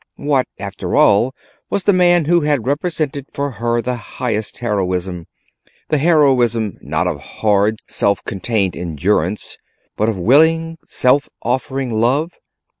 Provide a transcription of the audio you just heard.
What, after all, was the man who had represented for her the highest heroism: the heroism not of hard, self contained endurance, but of willing, self offering love?